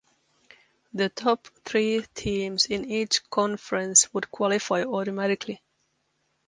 The top three teams in each conference would qualify automatically.